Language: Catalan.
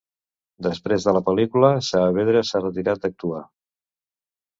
Després de la pel·lícula, Saavedra s'ha retirat d'actuar.